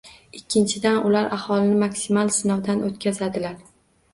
Ikkinchidan, ular aholini maksimal sinovdan o'tkazadilar